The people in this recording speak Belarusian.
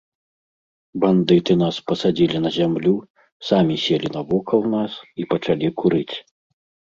Бандыты нас пасадзілі на зямлю, самі селі навокал нас і пачалі курыць.